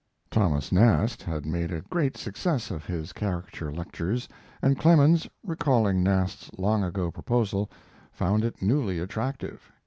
Thomas Nast had made a great success of his caricature lectures, and Clemens, recalling Nast's long ago proposal, found it newly attractive.